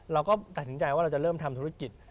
เราก็ตัดสินใจว่าเราจะเริ่มทำธุรกิจ